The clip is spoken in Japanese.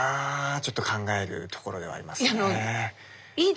ちょっと考えるところではありますね。